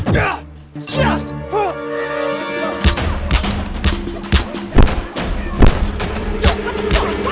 kami akan mencari raden pemalarasa